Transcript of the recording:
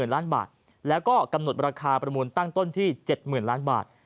ล้านบาทแล้วก็กำหนดราคาประมูลตั้งต้นที่๗๐๐ล้านบาท